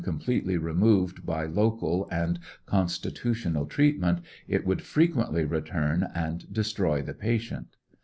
completely removed by local and constitutional treatment, it would frequently return and destroy the patient.